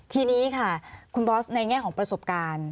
ทีนี้ค่ะคุณบอสในแง่ของประสบการณ์